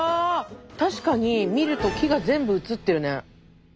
確かに見ると木が全部写ってるね。